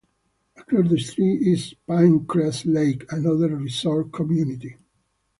Across the street is Pinecrest Lake, another resort community.